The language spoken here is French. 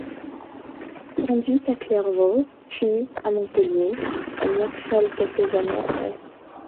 Conduite à Clairvaux, puis à Montpellier, elle meurt folle quelques années après.